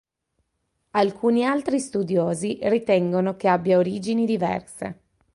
Alcuni altri studiosi ritengono che abbia origini diverse.